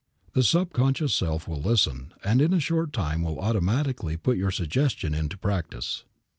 The subconscious self will listen and in a short time will automatically put your suggestion into practice.